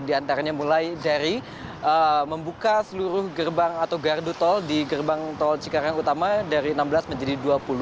di antaranya mulai dari membuka seluruh gerbang atau gardu tol di gerbang tol cikarang utama dari enam belas menjadi dua puluh